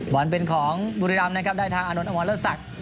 บอลเป็นของบุรีรัมนะครับได้ทางอานนท์อำวังเลือดศักดิ์